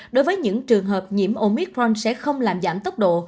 đối với những trường hợp nhiễm omitron sẽ không làm giảm tốc độ